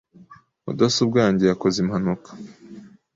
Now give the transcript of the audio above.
Mudasobwa yanjye yakoze impanuka .